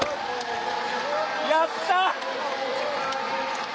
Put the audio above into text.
やった！